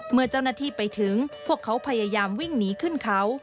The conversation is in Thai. เมื่อเจ้าหน้าที่ไปถึงพวกเขาพยายามวิ่งหนีขึ้นเขา